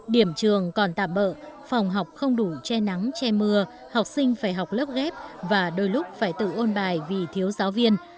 điểm trường còn tạm bỡ phòng học không đủ che nắng che mưa học sinh phải học lớp ghép và đôi lúc phải tự ôn bài vì thiếu giáo viên